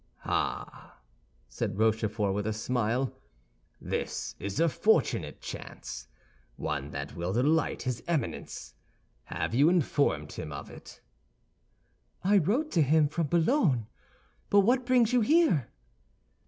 "Ah," said Rochefort, with a smile; "this is a fortunate chance—one that will delight his Eminence! Have you informed him of it?" "I wrote to him from Boulogne. But what brings you here?"